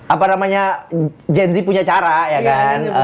apa namanya gen z punya cara ya kan